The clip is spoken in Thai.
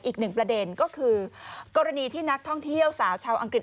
อีกหนึ่งประเด็นก็คือกรณีที่นักท่องเที่ยวสาวชาวอังกฤษ